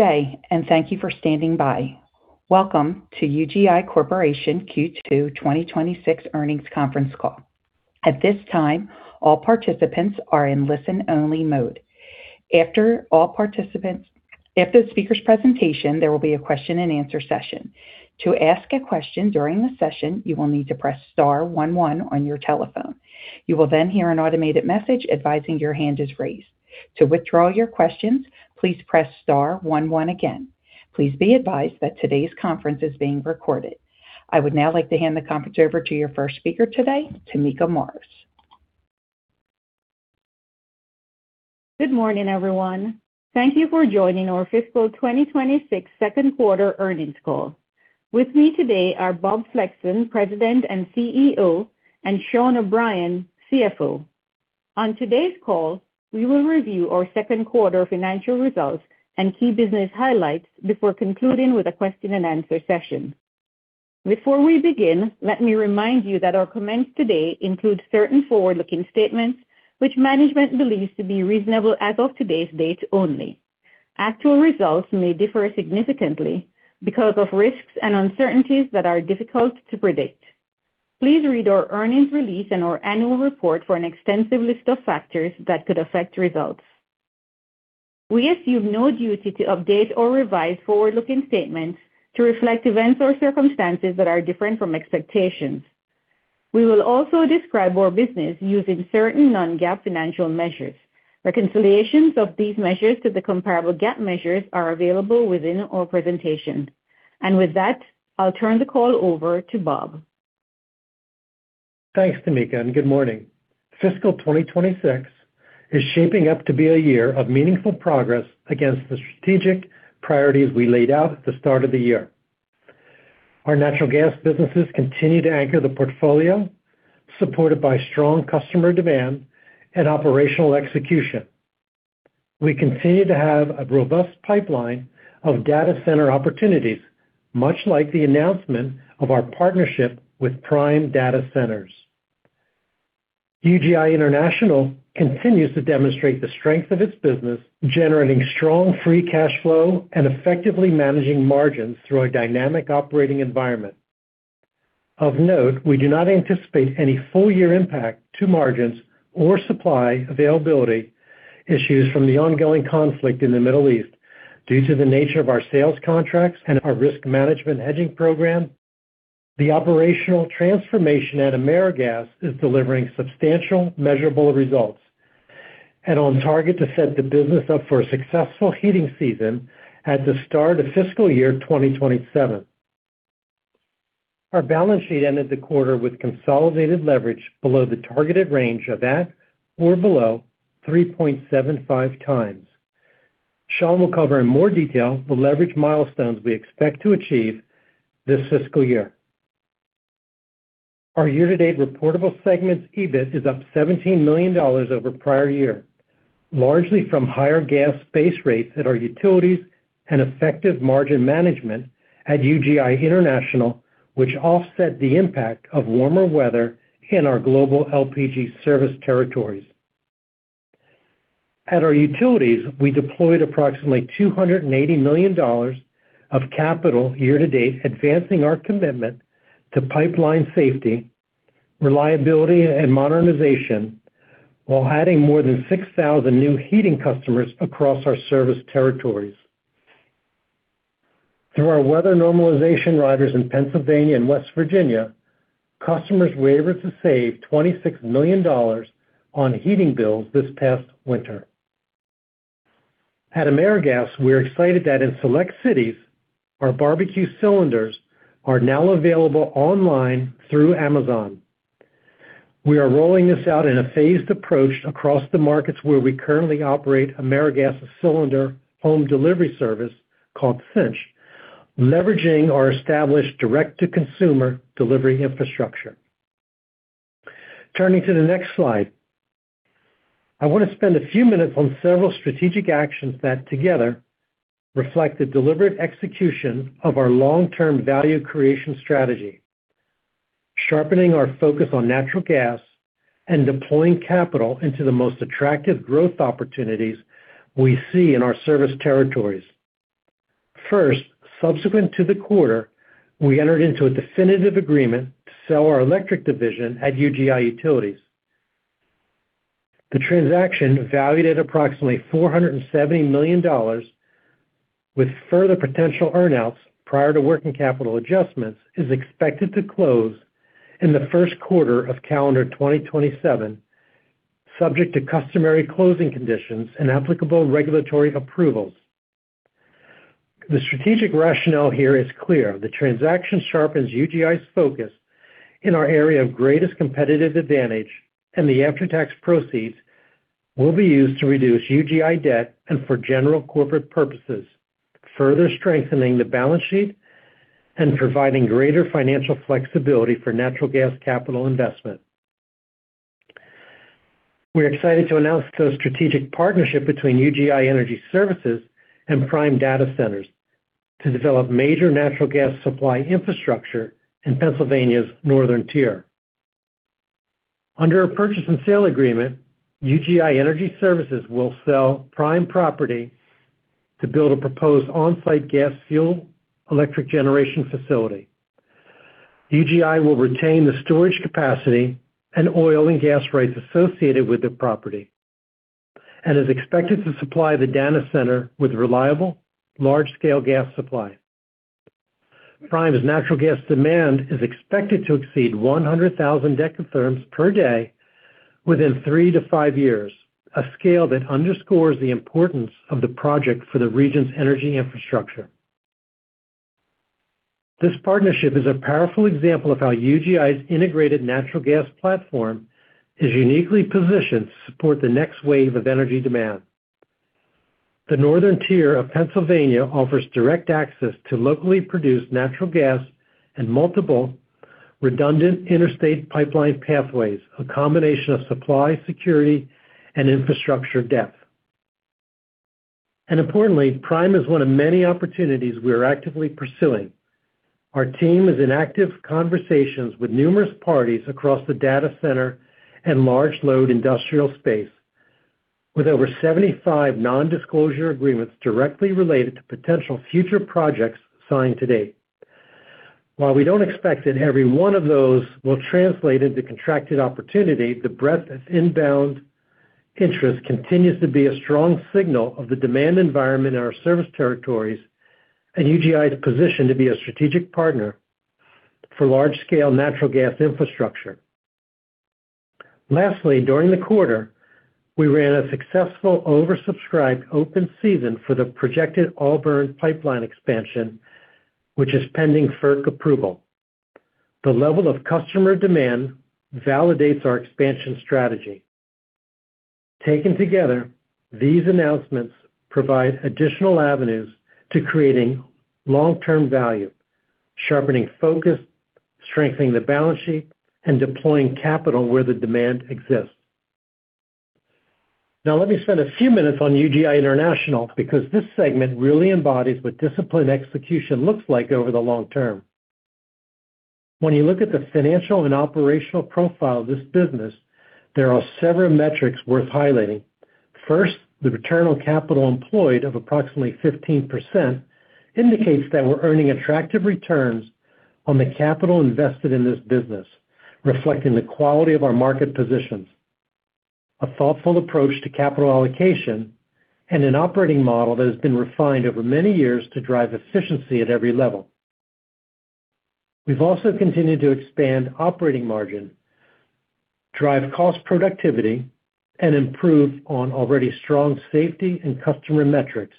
Day, and thank you for standing by. Welcome to UGI Corporation Q2 2026 earnings conference call. At this time, all participants are in listen-only mode. After the speaker's presentation, there will be a question-and-answer session. To ask a question during the session, you will need to press star one one on your telephone. You will then hear an automated message advising your hand is raised. To withdraw your questions, please press star one one again. Please be advised that today's conference is being recorded. I would now like to hand the conference over to your first speaker today, Tameka Morris. Good morning, everyone. Thank you for joining our fiscal 2026 second quarter earnings call. With me today are Bob Flexon, President and CEO, and Sean O'Brien, CFO. On today's call, we will review our second quarter financial results and key business highlights before concluding with a question-and-answer session. Before we begin, let me remind you that our comments today include certain forward-looking statements which management believes to be reasonable as of today's date only. Actual results may differ significantly because of risks and uncertainties that are difficult to predict. Please read our earnings release and our annual report for an extensive list of factors that could affect results. We assume no duty to update or revise forward-looking statements to reflect events or circumstances that are different from expectations. We will also describe our business using certain non-GAAP financial measures. Reconciliations of these measures to the comparable GAAP measures are available within our presentation. With that, I'll turn the call over to Bob. Thanks, Tameka, and good morning. Fiscal 2026 is shaping up to be a year of meaningful progress against the strategic priorities we laid out at the start of the year. Our natural gas businesses continue to anchor the portfolio, supported by strong customer demand and operational execution. We continue to have a robust pipeline of data center opportunities, much like the announcement of our partnership with Prime Data Centers. UGI International continues to demonstrate the strength of its business, generating strong free cash flow and effectively managing margins through a dynamic operating environment. Of note, we do not anticipate any full-year impact to margins or supply availability issues from the ongoing conflict in the Middle East due to the nature of our sales contracts and our risk management hedging program. The operational transformation at AmeriGas is delivering substantial measurable results and on target to set the business up for a successful heating season at the start of fiscal year 2027. Our balance sheet ended the quarter with consolidated leverage below the targeted range of at or below 3.75x. Sean will cover in more detail the leverage milestones we expect to achieve this fiscal year. Our year-to-date reportable segments EBIT is up $17 million over prior year, largely from higher gas base rates at our utilities and effective margin management at UGI International, which offset the impact of warmer weather in our global LPG service territories. At our utilities, we deployed approximately $280 million of capital year-to-date, advancing our commitment to pipeline safety, reliability, and modernization, while adding more than 6,000 new heating customers across our service territories. Through our weather normalization riders in Pennsylvania and West Virginia, customers were able to save $26 million on heating bills this past winter. At AmeriGas, we're excited that in select cities, our barbecue cylinders are now available online through Amazon. We are rolling this out in a phased approach across the markets where we currently operate AmeriGas' cylinder home delivery service called Cynch, leveraging our established direct-to-consumer delivery infrastructure. Turning to the next slide. I want to spend a few minutes on several strategic actions that together reflect the deliberate execution of our long-term value creation strategy, sharpening our focus on natural gas and deploying capital into the most attractive growth opportunities we see in our service territories. First, subsequent to the quarter, we entered into a definitive agreement to sell our electric division at UGI Utilities. The transaction, valued at approximately $470 million, with further potential earn-outs prior to working capital adjustments, is expected to close in the first quarter of calendar 2027, subject to customary closing conditions and applicable regulatory approvals. The strategic rationale here is clear. The transaction sharpens UGI's focus in our area of greatest competitive advantage. The after-tax proceeds will be used to reduce UGI debt and for general corporate purposes, further strengthening the balance sheet and providing greater financial flexibility for natural gas capital investment. We're excited to announce the strategic partnership between UGI Energy Services and Prime Data Centers to develop major natural gas supply infrastructure in Pennsylvania's northern tier. Under a purchase and sale agreement, UGI Energy Services will sell Prime property to build a proposed on-site gas-fired electric generation facility. UGI will retain the storage capacity and oil and gas rights associated with the property and is expected to supply the data center with reliable large-scale gas supply. Prime's natural gas demand is expected to exceed 100,000 Dth per day within three to five years, a scale that underscores the importance of the project for the region's energy infrastructure. This partnership is a powerful example of how UGI's integrated natural gas platform is uniquely positioned to support the next wave of energy demand. The northern tier of Pennsylvania offers direct access to locally produced natural gas and multiple redundant interstate pipeline pathways, a combination of supply security and infrastructure depth. Importantly, Prime is one of many opportunities we are actively pursuing. Our team is in active conversations with numerous parties across the data center and large load industrial space, with over 75 nondisclosure agreements directly related to potential future projects signed to date. While we don't expect that every one of those will translate into contracted opportunity, the breadth of inbound interest continues to be a strong signal of the demand environment in our service territories and UGI's position to be a strategic partner for large-scale natural gas infrastructure. Lastly, during the quarter, we ran a successful over-subscribed open season for the projected Auburn Pipeline expansion, which is pending FERC approval. The level of customer demand validates our expansion strategy. Taken together, these announcements provide additional avenues to creating long-term value, sharpening focus, strengthening the balance sheet, and deploying capital where the demand exists. Now, let me spend a few minutes on UGI International because this segment really embodies what disciplined execution looks like over the long term. When you look at the financial and operational profile of this business, there are several metrics worth highlighting. First, the return on capital employed of approximately 15% indicates that we're earning attractive returns on the capital invested in this business, reflecting the quality of our market positions, a thoughtful approach to capital allocation, and an operating model that has been refined over many years to drive efficiency at every level. We've also continued to expand operating margin, drive cost productivity, and improve on already strong safety and customer metrics,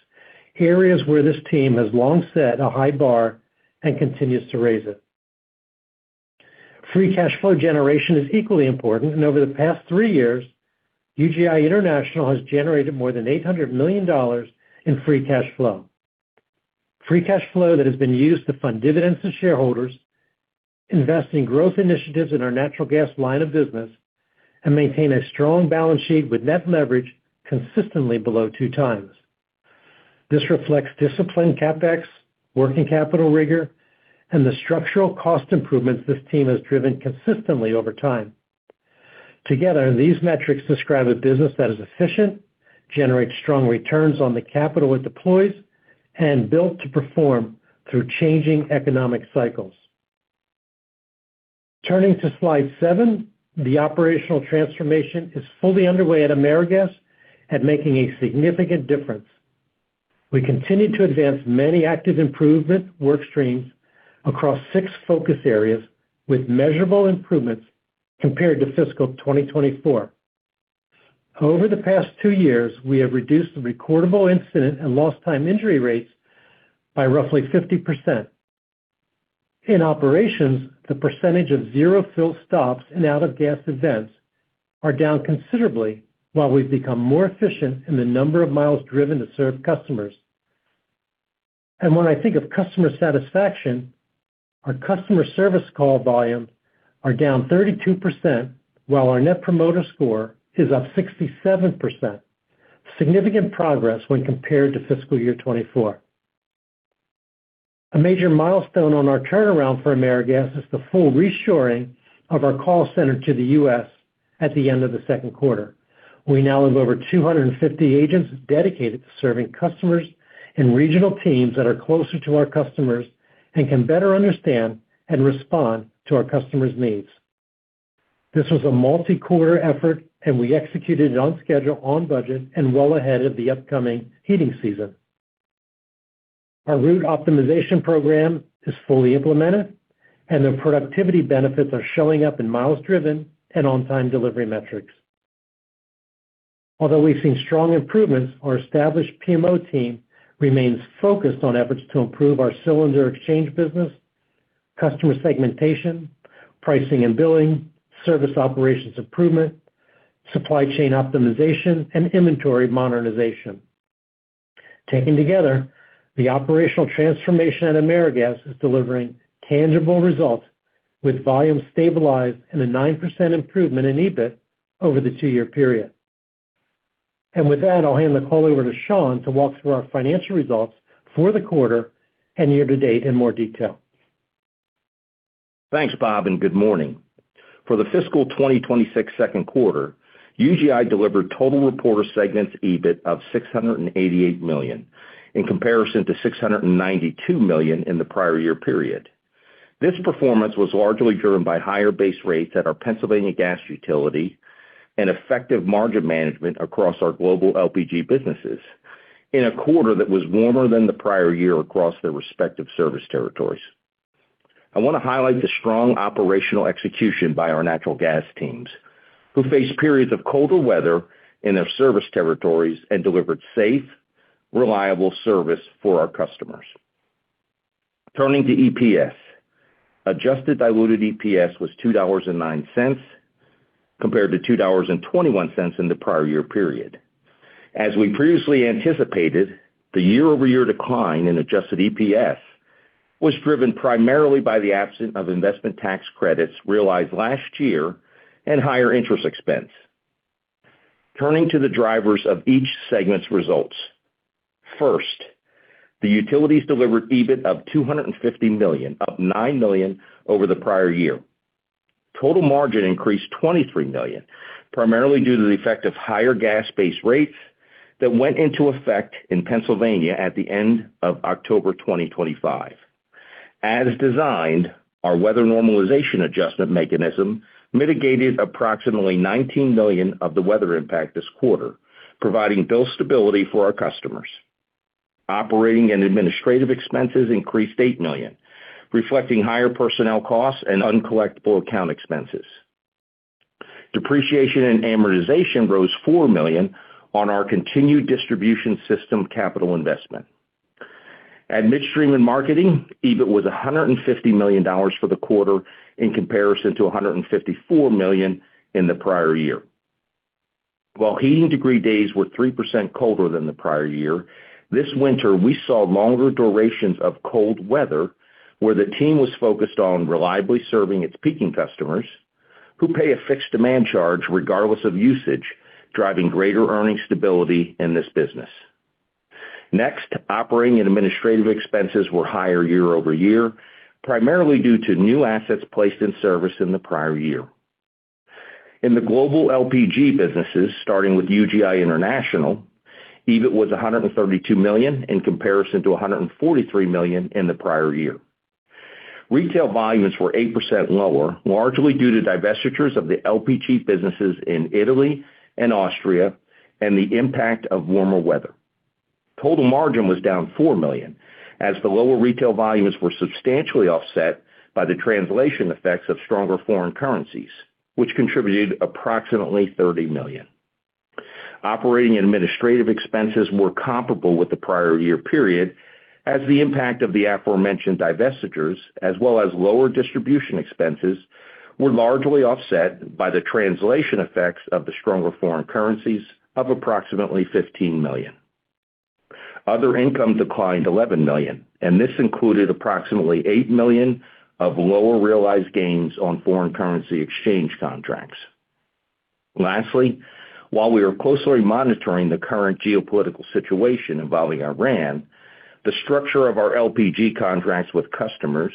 areas where this team has long set a high bar and continues to raise it. Free cash flow generation is equally important. Over the past three years, UGI International has generated more than $800 million in free cash flow. Free cash flow that has been used to fund dividends to shareholders, invest in growth initiatives in our natural gas line of business, and maintain a strong balance sheet with net leverage consistently below 2x. This reflects disciplined CapEx, working capital rigor, and the structural cost improvements this team has driven consistently over time. Together, these metrics describe a business that is efficient, generates strong returns on the capital it deploys, and built to perform through changing economic cycles. Turning to slide seven, the operational transformation is fully underway at AmeriGas and making a significant difference. We continue to advance many active improvement workstreams across six focus areas with measurable improvements compared to fiscal 2024. Over the past two years, we have reduced the recordable incident and lost time injury rates by roughly 50%. In operations, the percentage of zero fill stops and out-of-gas events are down considerably while we've become more efficient in the number of miles driven to serve customers. When I think of customer satisfaction, our customer service call volume are down 32%, while our net promoter score is up 67%. Significant progress when compared to fiscal year 2024. A major milestone on our turnaround for AmeriGas is the full reshoring of our call center to the U.S. at the end of the second quarter. We now have over 250 agents dedicated to serving customers and regional teams that are closer to our customers and can better understand and respond to our customers' needs. This was a multi-quarter effort, and we executed it on schedule, on budget, and well ahead of the upcoming heating season. Our route optimization program is fully implemented, and the productivity benefits are showing up in miles driven and on-time delivery metrics. Although we've seen strong improvements, our established PMO team remains focused on efforts to improve our cylinder exchange business, customer segmentation, pricing and billing, service operations improvement, supply chain optimization, and inventory modernization. Taken together, the operational transformation at AmeriGas is delivering tangible results with volumes stabilized and a 9% improvement in EBIT over the two-year period. With that, I'll hand the call over to Sean to walk through our financial results for the quarter and year-to-date in more detail. Thanks, Bob, and good morning. For the fiscal 2026 second quarter, UGI delivered total reported segments EBIT of $688 million in comparison to $692 million in the prior year period. This performance was largely driven by higher base rates at our Pennsylvania gas utility and effective margin management across our global LPG businesses in a quarter that was warmer than the prior year across their respective service territories. I wanna highlight the strong operational execution by our natural gas teams who faced periods of colder weather in their service territories and delivered safe, reliable service for our customers. Turning to EPS. Adjusted diluted EPS was $2.09 compared to $2.21 in the prior year period. As we previously anticipated, the year-over-year decline in adjusted EPS was driven primarily by the absence of investment tax credits realized last year and higher interest expense. Turning to the drivers of each segment's results. First, the utilities delivered EBIT of $250 million, up $9 million over the prior year. Total margin increased $23 million, primarily due to the effect of higher gas base rates that went into effect in Pennsylvania at the end of October 2025. As designed, our Weather Normalization Adjustment mechanism mitigated approximately $19 million of the weather impact this quarter, providing bill stability for our customers. Operating and administrative expenses increased $8 million, reflecting higher personnel costs and uncollectible account expenses. Depreciation and amortization rose $4 million on our continued distribution system capital investment. At Midstream & Marketing, EBIT was $150 million for the quarter in comparison to $154 million in the prior year. While heating degree days were 3% colder than the prior year, this winter, we saw longer durations of cold weather where the team was focused on reliably serving its peaking customers who pay a fixed demand charge regardless of usage, driving greater earning stability in this business. Next, operating and administrative expenses were higher year-over-year, primarily due to new assets placed in service in the prior year. In the global LPG businesses, starting with UGI International, EBIT was $132 million in comparison to $143 million in the prior year. Retail volumes were 8% lower, largely due to divestitures of the LPG businesses in Italy and Austria and the impact of warmer weather. Total margin was down $4 million as the lower retail volumes were substantially offset by the translation effects of stronger foreign currencies, which contributed approximately $30 million. Operating and administrative expenses were comparable with the prior year period as the impact of the aforementioned divestitures as well as lower distribution expenses were largely offset by the translation effects of the stronger foreign currencies of approximately $15 million. Other income declined $11 million, and this included approximately $8 million of lower realized gains on foreign currency exchange contracts. Lastly, while we are closely monitoring the current geopolitical situation involving Iran, the structure of our LPG contracts with customers,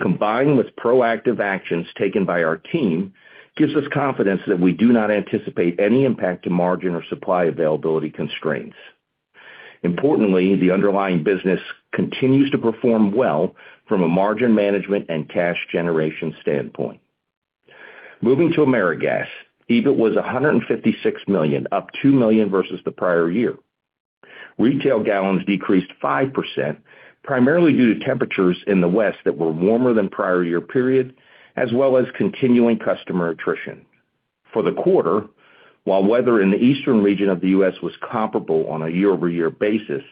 combined with proactive actions taken by our team, gives us confidence that we do not anticipate any impact to margin or supply availability constraints. Importantly, the underlying business continues to perform well from a margin management and cash generation standpoint. Moving to AmeriGas, EBIT was $156 million, up $2 million versus the prior year. Retail gallons decreased 5%, primarily due to temperatures in the West that were warmer than prior year period as well as continuing customer attrition. For the quarter, while weather in the eastern region of the U.S. was comparable on a year-over-year basis,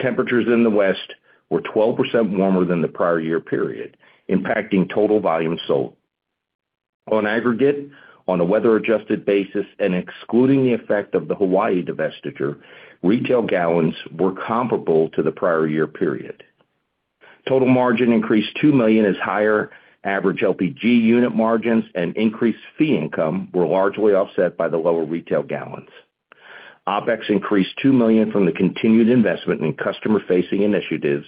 temperatures in the West were 12% warmer than the prior year period, impacting total volumes sold. On aggregate, on a weather-adjusted basis and excluding the effect of the Hawaii divestiture, retail gallons were comparable to the prior year period. Total margin increased $2 million as higher average LPG unit margins and increased fee income were largely offset by the lower retail gallons. OpEx increased $2 million from the continued investment in customer-facing initiatives,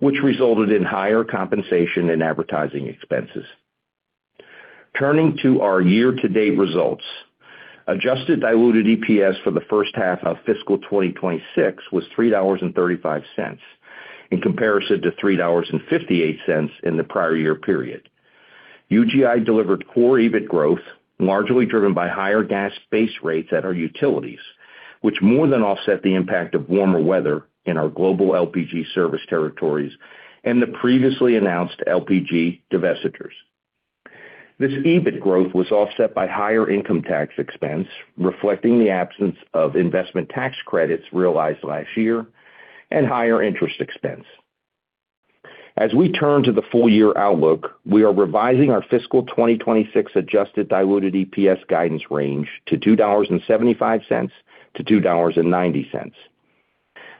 which resulted in higher compensation and advertising expenses. Turning to our year-to-date results. Adjusted diluted EPS for the first half of fiscal 2026 was $3.35 in comparison to $3.58 in the prior year period. UGI delivered core EBIT growth, largely driven by higher gas base rates at our utilities, which more than offset the impact of warmer weather in our global LPG service territories and the previously announced LPG divestitures. This EBIT growth was offset by higher income tax expense, reflecting the absence of investment tax credits realized last year and higher interest expense. As we turn to the full year outlook, we are revising our fiscal 2026 adjusted diluted EPS guidance range to $2.75-$2.90.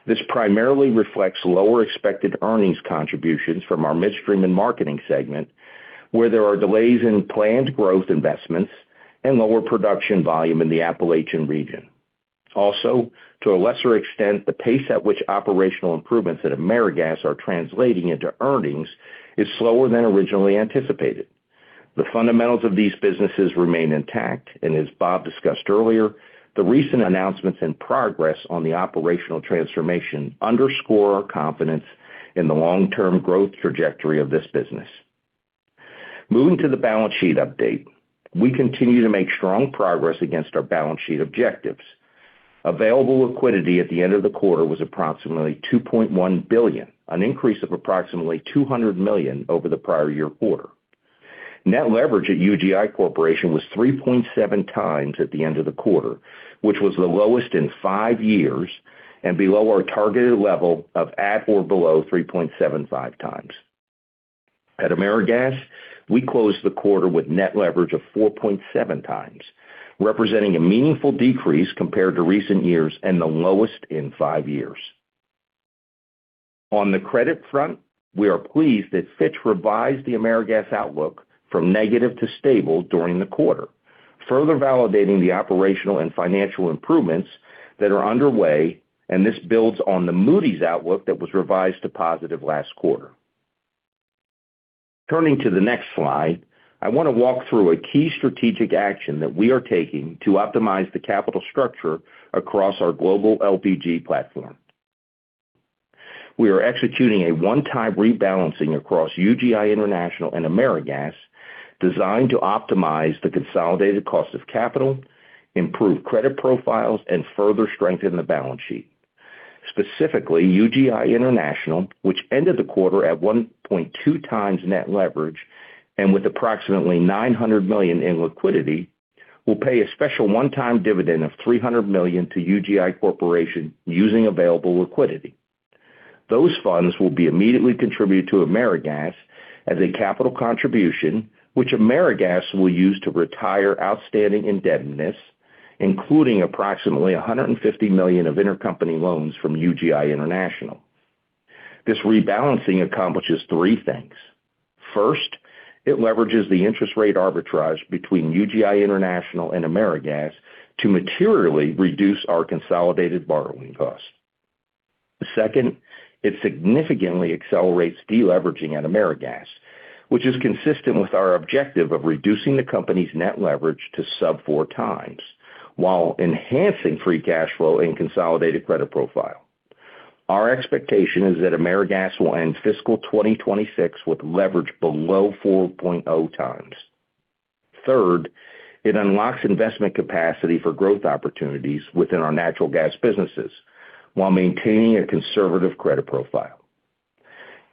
This primarily reflects lower expected earnings contributions from our Midstream & Marketing segment, where there are delays in planned growth investments and lower production volume in the Appalachian region. Also, to a lesser extent, the pace at which operational improvements at AmeriGas are translating into earnings is slower than originally anticipated. The fundamentals of these businesses remain intact and as Bob discussed earlier, the recent announcements and progress on the operational transformation underscore our confidence in the long-term growth trajectory of this business. Moving to the balance sheet update. We continue to make strong progress against our balance sheet objectives. Available liquidity at the end of the quarter was approximately $2.1 billion, an increase of approximately $200 million over the prior year quarter. Net leverage at UGI Corporation was 3.7x at the end of the quarter, which was the lowest in five years and below our targeted level of at or below 3.75x. At AmeriGas, we closed the quarter with net leverage of 4.7x, representing a meaningful decrease compared to recent years and the lowest in five years. On the credit front, we are pleased that Fitch revised the AmeriGas outlook from negative to stable during the quarter, further validating the operational and financial improvements that are underway. This builds on the Moody's outlook that was revised to positive last quarter. Turning to the next slide, I wanna walk through a key strategic action that we are taking to optimize the capital structure across our global LPG platform. We are executing a one-time rebalancing across UGI International and AmeriGas designed to optimize the consolidated cost of capital, improve credit profiles, and further strengthen the balance sheet. Specifically, UGI International, which ended the quarter at 1.2x net leverage and with approximately $900 million in liquidity, will pay a special one-time dividend of $300 million to UGI Corporation using available liquidity. Those funds will be immediately contributed to AmeriGas as a capital contribution, which AmeriGas will use to retire outstanding indebtedness, including approximately $150 million of intercompany loans from UGI International. This rebalancing accomplishes three things. First, it leverages the interest rate arbitrage between UGI International and AmeriGas to materially reduce our consolidated borrowing cost. Second, it significantly accelerates deleveraging at AmeriGas, which is consistent with our objective of reducing the company's net leverage to sub 4x while enhancing free cash flow and consolidated credit profile. Our expectation is that AmeriGas will end fiscal 2026 with leverage below 4.0x. Third, it unlocks investment capacity for growth opportunities within our natural gas businesses while maintaining a conservative credit profile.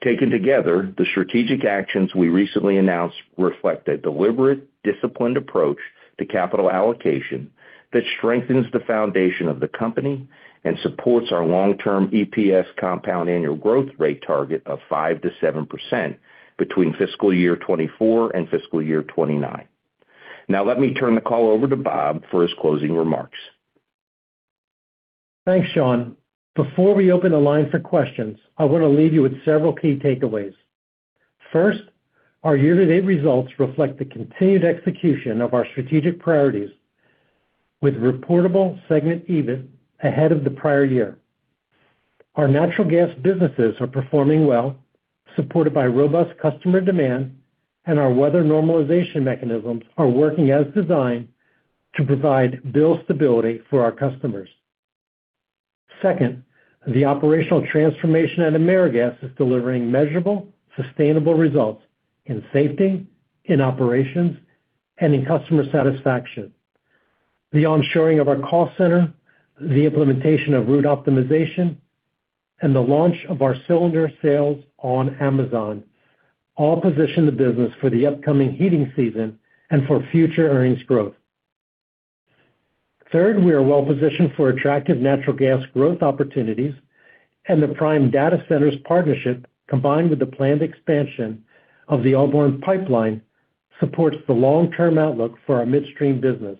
Taken together, the strategic actions we recently announced reflect a deliberate, disciplined approach to capital allocation that strengthens the foundation of the company and supports our long-term EPS compound annual growth rate target of 5%-7% between fiscal year 2024 and fiscal year 2029. Now, let me turn the call over to Bob for his closing remarks. Thanks, Sean. Before we open the line for questions, I wanna leave you with several key takeaways. First, our year-to-date results reflect the continued execution of our strategic priorities with reportable segment EBIT ahead of the prior year. Our natural gas businesses are performing well, supported by robust customer demand, and our weather normalization mechanisms are working as designed to provide bill stability for our customers. Second, the operational transformation at AmeriGas is delivering measurable, sustainable results in safety, in operations, and in customer satisfaction. The onshoring of our call center, the implementation of route optimization, and the launch of our cylinder sales on Amazon all position the business for the upcoming heating season and for future earnings growth. Third, we are well-positioned for attractive natural gas growth opportunities and the Prime Data Centers partnership, combined with the planned expansion of the Auburn Pipeline, supports the long-term outlook for our midstream business.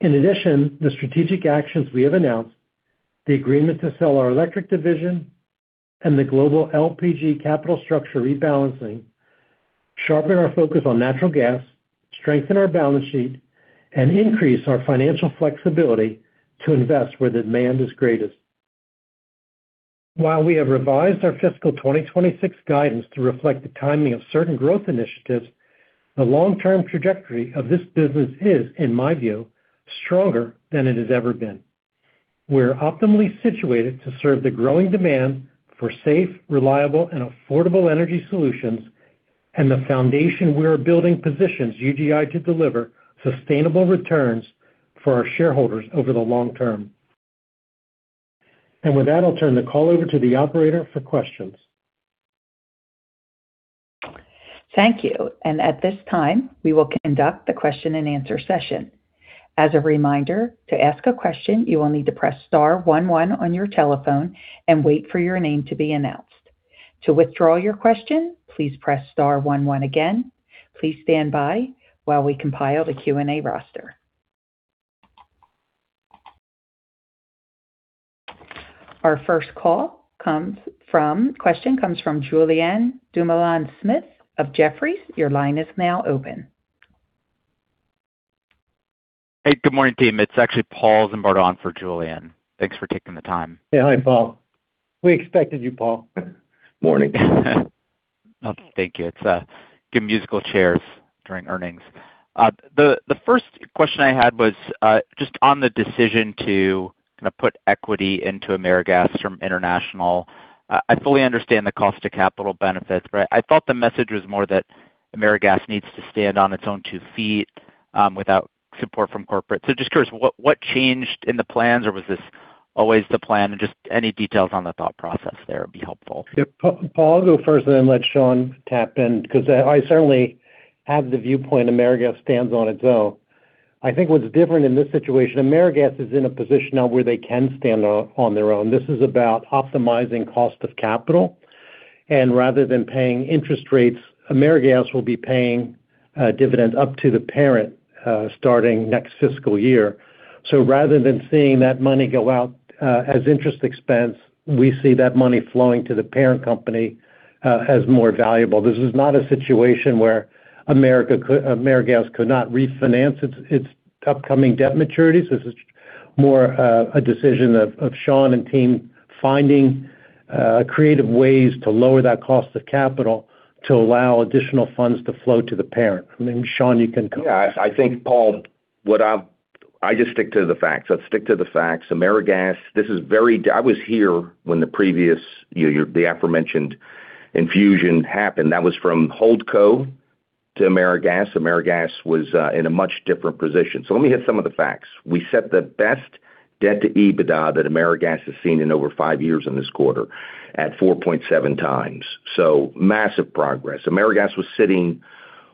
In addition, the strategic actions we have announced, the agreement to sell our electric division and the global LPG capital structure rebalancing sharpen our focus on natural gas, strengthen our balance sheet, and increase our financial flexibility to invest where the demand is greatest. While we have revised our fiscal 2026 guidance to reflect the timing of certain growth initiatives, the long-term trajectory of this business is, in my view, stronger than it has ever been. We're optimally situated to serve the growing demand for safe, reliable, and affordable energy solutions, and the foundation we are building positions UGI to deliver sustainable returns for our shareholders over the long term. With that, I'll turn the call over to the operator for questions. Our first question comes from Julien Dumoulin-Smith of Jefferies. Your line is now open. Hey, good morning, team. It's actually Paul Zimbardo for Julien. Thanks for taking the time. Yeah. Hi, Paul. We expected you, Paul. Morning. Thank you. It's good musical chairs during earnings. The first question I had was just on the decision to kind of put equity into AmeriGas from International. I fully understand the cost of capital benefits, but I thought the message was more that AmeriGas needs to stand on its own two feet without support from corporate. Just curious, what changed in the plans or was this always the plan? Just any details on the thought process there would be helpful. Yeah. Paul, I'll go first and then let Sean tap in because I certainly have the viewpoint AmeriGas stands on its own. I think what's different in this situation, AmeriGas is in a position now where they can stand on their own. This is about optimizing cost of capital. Rather than paying interest rates, AmeriGas will be paying dividends up to the parent starting next fiscal year. Rather than seeing that money go out as interest expense, we see that money flowing to the parent company as more valuable. This is not a situation where AmeriGas could not refinance its upcoming debt maturities. This is more a decision of Sean and team finding creative ways to lower that cost of capital to allow additional funds to flow to the parent. I mean, Sean. I think, Paul, I just stick to the facts. Let's stick to the facts. AmeriGas, I was here when the previous, you know, the aforementioned infusion happened. That was from Holdco to AmeriGas. AmeriGas was in a much different position. Let me hit some of the facts. We set the best debt to EBITDA that AmeriGas has seen in over five years in this quarter at 4.7x. Massive progress. AmeriGas was sitting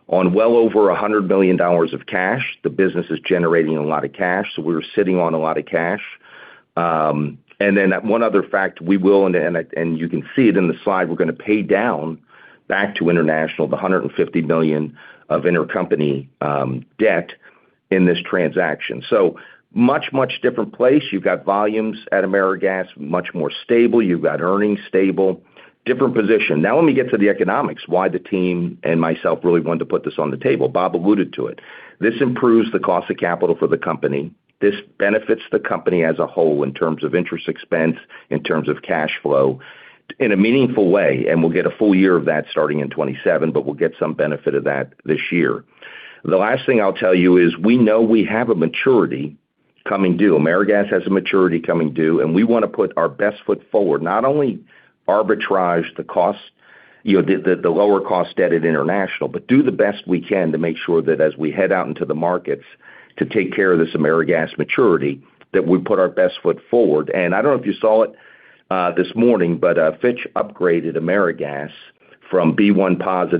on well over $100 million of cash. The business is generating a lot of cash, so we're sitting on a lot of cash. One other fact, we will, and you can see it in the slide, we're gonna pay down back to International the $150 million of intercompany debt in this transaction. Much, much different place. You've got volumes at AmeriGas much more stable. You've got earnings stable. Different position. When we get to the economics, why the team and myself really wanted to put this on the table. Bob alluded to it. This improves the cost of capital for the company. This benefits the company as a whole in terms of interest expense, in terms of cash flow in a meaningful way. We'll get a full year of that starting in 2027, but we'll get some benefit of that this year. The last thing I'll tell you is we know we have a maturity coming due. AmeriGas has a maturity coming due, and we want to put our best foot forward, not only arbitrage the cost, you know, the lower cost debt at International, but do the best we can to make sure that as we head out into the markets to take care of this AmeriGas maturity, that we put our best foot forward. I don't know if you saw it this morning, but Fitch upgraded AmeriGas from B+ to BB-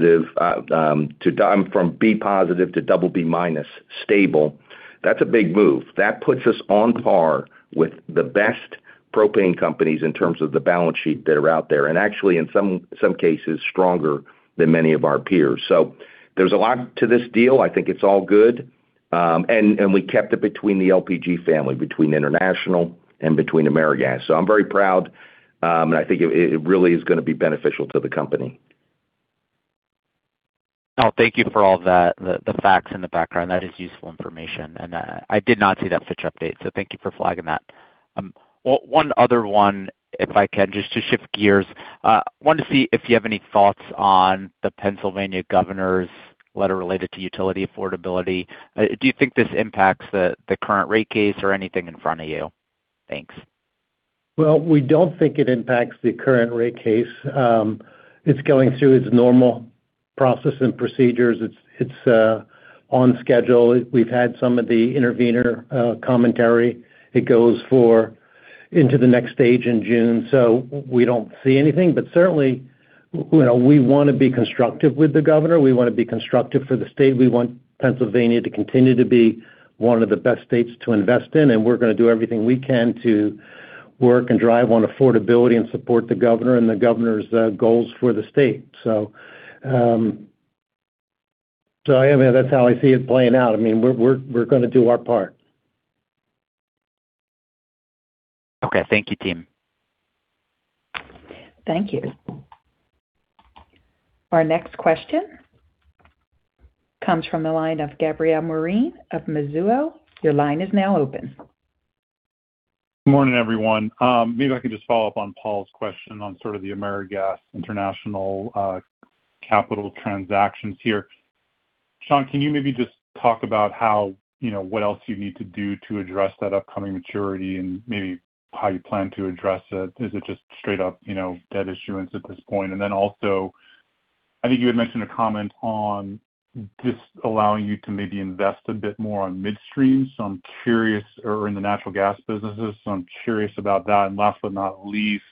stable. That's a big move. That puts us on par with the best propane companies in terms of the balance sheet that are out there, and actually in some cases, stronger than many of our peers. There's a lot to this deal. I think it's all good. We kept it between the LPG family, between International and between AmeriGas. I'm very proud, and I think it really is gonna be beneficial to the company. Oh, thank you for all that, the facts and the background. That is useful information. I did not see that Fitch update, so thank you for flagging that. One other one, if I can, just to shift gears. Wanted to see if you have any thoughts on the Pennsylvania governor's letter related to utility affordability. Do you think this impacts the current rate case or anything in front of you? Thanks. Well, we don't think it impacts the current rate case. It's going through its normal process and procedures. It's on schedule. We've had some of the intervener commentary it goes for into the next stage in June, we don't see anything. Certainly, you know, we wanna be constructive with the governor. We wanna be constructive for the state. We want Pennsylvania to continue to be one of the best states to invest in, we're gonna do everything we can to work and drive on affordability and support the governor and the governor's goals for the state. I mean, that's how I see it playing out. I mean, we're gonna do our part. Okay. Thank you, team. Thank you. Our next question comes from the line of Gabriel Moreen of Mizuho. Morning, everyone. Maybe I can just follow up on Paul's question on sort of the AmeriGas International capital transactions here. Sean, can you maybe just talk about how, you know, what else you need to do to address that upcoming maturity and maybe how you plan to address it? Is it just straight up, you know, debt issuance at this point? Then also, I think you had mentioned a comment on this allowing you to maybe invest a bit more on midstream, or in the natural gas businesses, so I'm curious about that. Last but not least,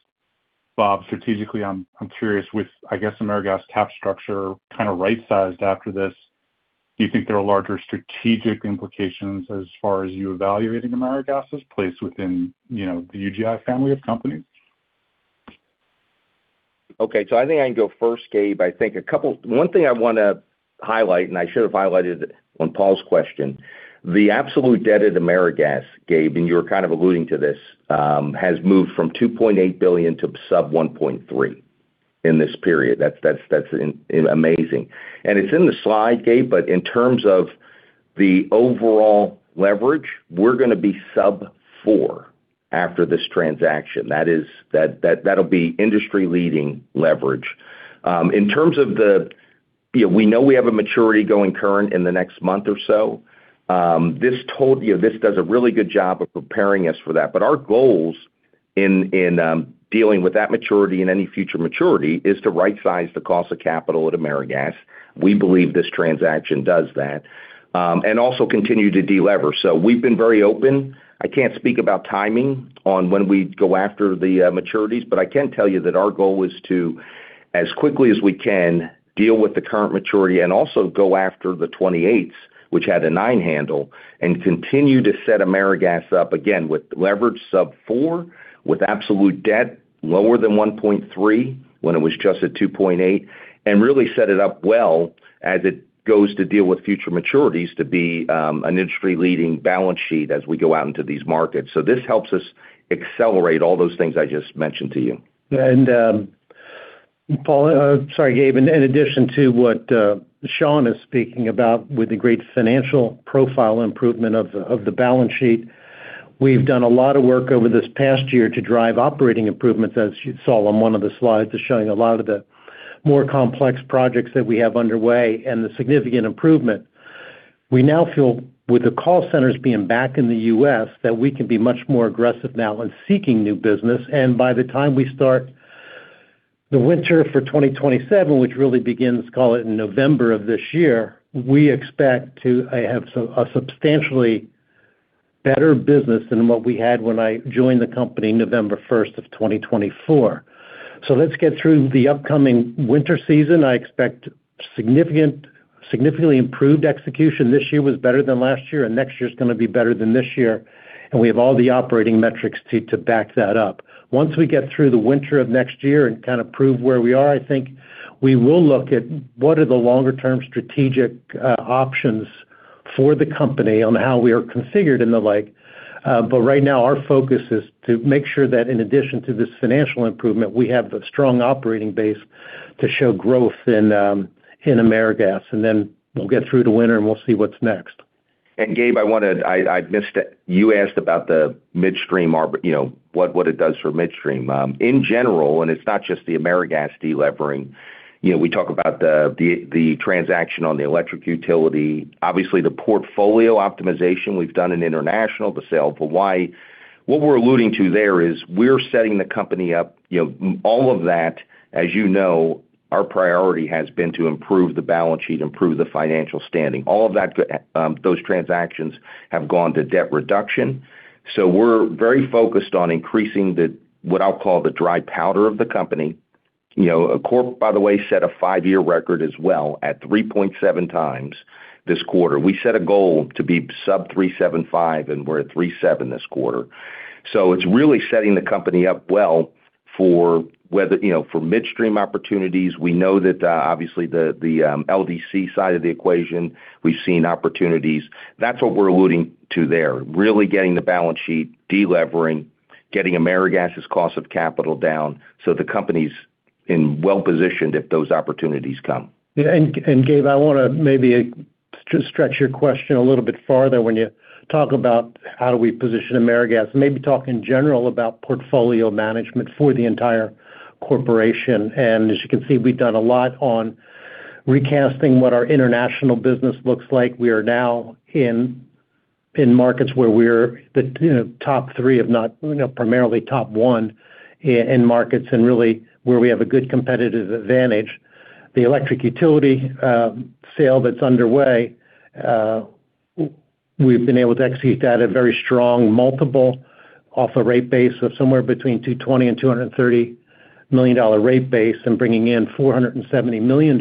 Bob, strategically, I'm curious with, I guess, AmeriGas cap structure kinda right-sized after this. Do you think there are larger strategic implications as far as you evaluating AmeriGas' place within, you know, the UGI family of companies? Okay. I think I can go first, Gabe. I think 1 thing I want to highlight, and I should have highlighted on Paul's question, the absolute debt at AmeriGas, Gabe, and you were kind of alluding to this, has moved from $2.8 billion to sub $1.3 billion in this period. That's amazing. It's in the slide, Gabe, but in terms of the overall leverage, we're going to be sub 4x after this transaction. That will be industry-leading leverage. You know, we know we have a maturity going current in the next month or so. You know, this does a really good job of preparing us for that. Our goals in dealing with that maturity and any future maturity is to right-size the cost of capital at AmeriGas. We believe this transaction does that. Also continue to de-lever. We've been very open. I can't speak about timing on when we go after the maturities, but I can tell you that our goal is to, as quickly as we can, deal with the current maturity and also go after the 2028s, which had a nine handle, and continue to set AmeriGas up again with leverage sub 4x, with absolute debt lower than $1.3 when it was just at $2.8, and really set it up well as it goes to deal with future maturities to be an industry-leading balance sheet as we go out into these markets. This helps us accelerate all those things I just mentioned to you. Sorry, Gabe. In addition to what Sean is speaking about with the great financial profile improvement of the balance sheet, we've done a lot of work over this past year to drive operating improvements, as you saw on one of the slides, just showing a lot of the more complex projects that we have underway and the significant improvement. We now feel with the call centers being back in the U.S., that we can be much more aggressive now in seeking new business. By the time we start the winter for 2027, which really begins, call it, in November of this year, we expect to have a substantially better business than what we had when I joined the company November 1st of 2024. Let's get through the upcoming winter season. I expect significantly improved execution. This year was better than last year. Next year's going to be better than this year. We have all the operating metrics to back that up. Once we get through the winter of next year and kind of prove where we are, I think we will look at what are the longer-term strategic options for the company on how we are configured and the like. Right now our focus is to make sure that in addition to this financial improvement, we have the strong operating base to show growth in AmeriGas. Then we'll get through the winter. We'll see what's next. Gabe, I missed it. You asked about the midstream, you know, what it does for midstream. In general, it's not just the AmeriGas de-levering, you know, we talk about the transaction on the electric utility, obviously the portfolio optimization we've done in UGI International, the sale of Hawaii. What we're alluding to there is we're setting the company up, you know, all of that, as you know, our priority has been to improve the balance sheet, improve the financial standing. All of those transactions have gone to debt reduction. We're very focused on increasing what I'll call the dry powder of the company. You know, Corp, by the way, set a five-year record as well at 3.7x this quarter. We set a goal to be sub 3.75x, and we're at 3.7x this quarter. It's really setting the company up well for you know, for midstream opportunities. We know that, obviously the, LDC side of the equation, we've seen opportunities. That's what we're alluding to there, really getting the balance sheet, de-levering, getting AmeriGas' cost of capital down so the company's well-positioned if those opportunities come. Yeah. Gabe, I want to maybe stretch your question a little bit farther when you talk about how do we position AmeriGas, and maybe talk in general about portfolio management for the entire Corporation. As you can see, we've done a lot on recasting what our international business looks like. We are now in markets where we're the top three, primarily top one in markets and really where we have a good competitive advantage. The electric utility sale that's underway, we've been able to execute that at very strong multiple off a rate base of somewhere between $220 million and $230 million rate base and bringing in $470 million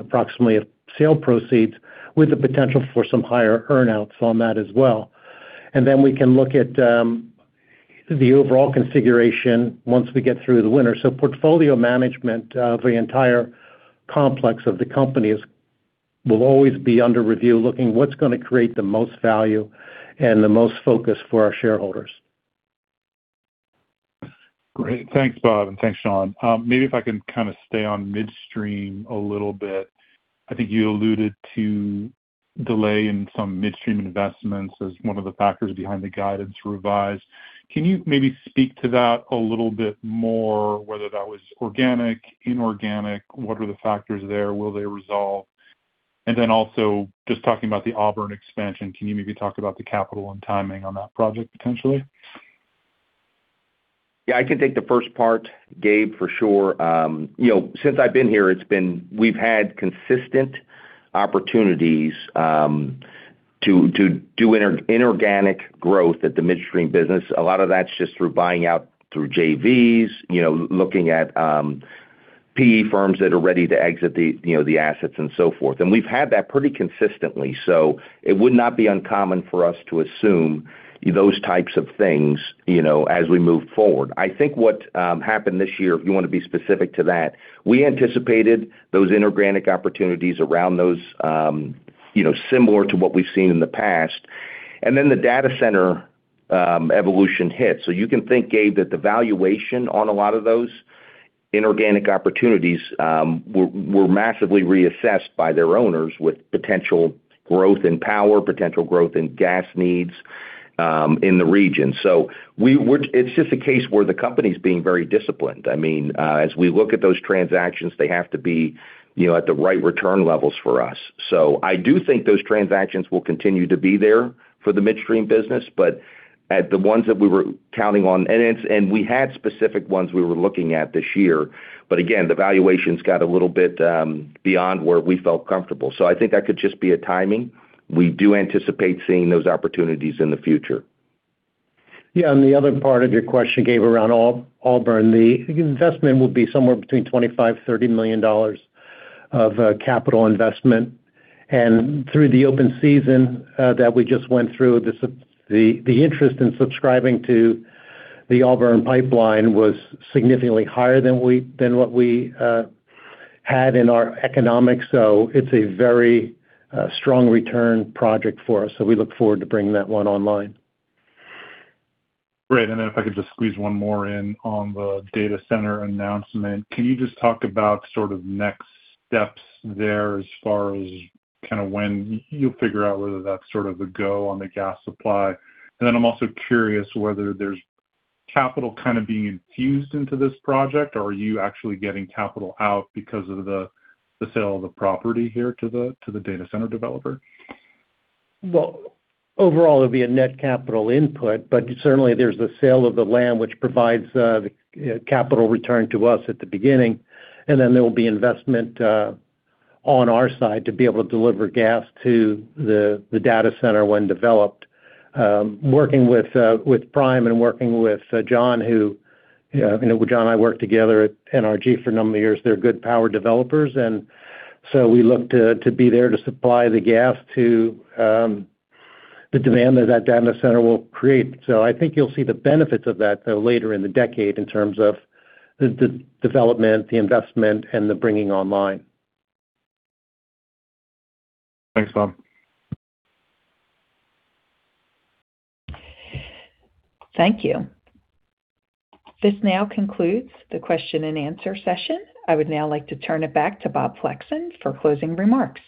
approximately of sale proceeds, with the potential for some higher earn-outs on that as well. We can look at the overall configuration once we get through the winter. Portfolio management of the entire complex of the company will always be under review, looking at what's gonna create the most value and the most focus for our shareholders. Great. Thanks, Bob, and thanks, Sean. If I can kind of stay on Midstream a little bit. I think you alluded to delay in some Midstream investments as one of the factors behind the guidance revise. Can you maybe speak to that a little bit more, whether that was organic, inorganic? What are the factors there? Will they resolve? Also just talking about the Auburn Pipeline, can you maybe talk about the capital and timing on that project potentially? Yeah, I can take the first part, Gabe, for sure. You know, since I've been here, we've had consistent opportunities to do inorganic growth at the midstream business. A lot of that's just through buying out through JVs, you know, looking at PE firms that are ready to exit the, you know, the assets and so forth. We've had that pretty consistently. It would not be uncommon for us to assume those types of things, you know, as we move forward. I think what happened this year, if you wanna be specific to that, we anticipated those inorganic opportunities around those, you know, similar to what we've seen in the past. Then the data center evolution hit. You can think, Gabe, that the valuation on a lot of those inorganic opportunities were massively reassessed by their owners with potential growth in power, potential growth in gas needs in the region. It's just a case where the company's being very disciplined. I mean, as we look at those transactions, they have to be, you know, at the right return levels for us. I do think those transactions will continue to be there for the Midstream business, but at the ones that we were counting on. We had specific ones we were looking at this year. Again, the valuations got a little bit beyond where we felt comfortable. I think that could just be a timing. We do anticipate seeing those opportunities in the future. Yeah. The other part of your question, Gabe, around Auburn. The investment will be somewhere between $25 million-$30 million of capital investment. Through the open season that we just went through, the interest in subscribing to the Auburn Pipeline was significantly higher than what we had in our economics. It's a very strong return project for us, so we look forward to bringing that one online. Great. Then if I could just squeeze one more in on the data center announcement. Can you just talk about sort of next steps there as far as kinda when you'll figure out whether that's sort of the go on the gas supply? Then I'm also curious whether there's capital kind of being infused into this project, or are you actually getting capital out because of the sale of the property here to the data center developer? Overall, it'll be a net capital input, but certainly there's the sale of the land which provides, you know, the capital return to us at the beginning. There will be investment on our side to be able to deliver gas to the data center when developed. Working with Prime and working with John, who, you know, John and I worked together at NRG for a number of years. They're good power developers, we look to be there to supply the gas to the demand that that data center will create. I think you'll see the benefits of that, though, later in the decade in terms of the de-development, the investment, and the bringing online. Thanks, Bob. Thank you. This now concludes the question-and-answer session. I would now like to turn it back to Bob Flexon for closing remarks.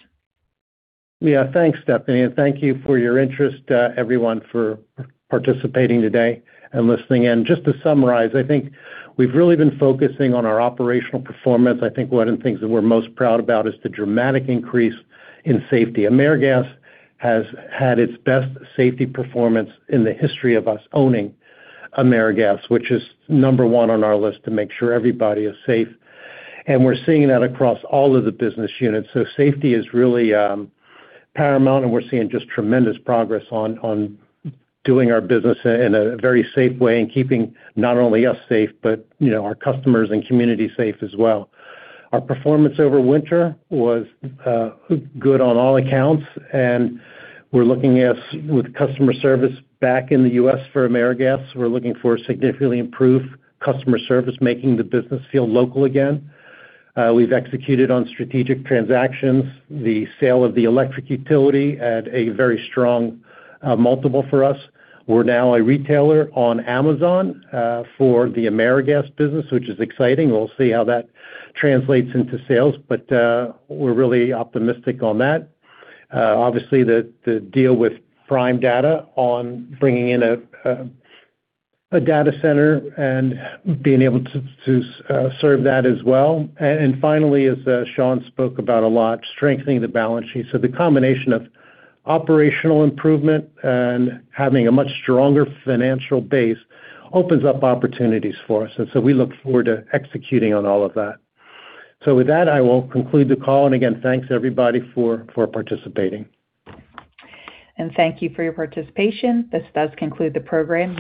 Yeah. Thanks, Stephanie, thank you for your interest, everyone for participating today and listening in. Just to summarize, I think we've really been focusing on our operational performance. I think one of the things that we're most proud about is the dramatic increase in safety. AmeriGas has had its best safety performance in the history of us owning AmeriGas, which is number one on our list to make sure everybody is safe. We're seeing that across all of the business units. Safety is really paramount, and we're seeing just tremendous progress on doing our business in a very safe way and keeping not only us safe, but you know, our customers and community safe as well. Our performance over winter was good on all accounts, and we're looking at with customer service back in the U.S. for AmeriGas. We're looking for significantly improved customer service, making the business feel local again. We've executed on strategic transactions, the sale of the electric utility at a very strong multiple for us. We're now a retailer on Amazon for the AmeriGas business, which is exciting. We'll see how that translates into sales, but we're really optimistic on that. Obviously, the deal with Prime Data on bringing in a data center and being able to serve that as well. Finally, as Sean spoke about a lot, strengthening the balance sheet. The combination of operational improvement and having a much stronger financial base opens up opportunities for us. We look forward to executing on all of that. With that, I will conclude the call. Again, thanks everybody for participating. Thank you for your participation. This does conclude the program.